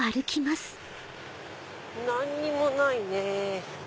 何にもないね。